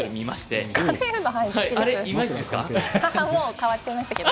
今はもう変わっちゃいましたけど。